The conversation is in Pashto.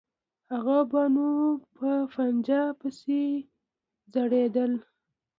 هغه به نو په پنجه پسې ځړېدل.